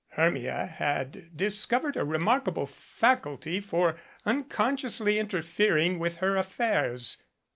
Hcrmia had discovered a remarkable faculty for unconsciously interfering with her affairs.